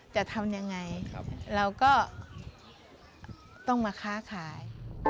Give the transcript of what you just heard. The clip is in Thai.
จะทำยังไงเราก็ต้องมาค้าขาย